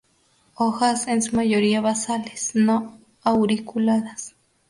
Hojas en su mayoría basales; no auriculadas.